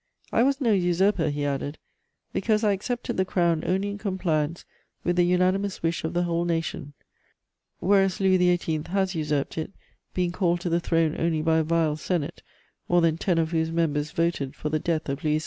"I was no usurper," he added, "because I accepted the crown only in compliance with the unanimous wish of the whole nation, whereas Louis XVIII. has usurped it, being called to the throne only by a vile Senate, more than ten of whose members voted for the death of Louis XVI."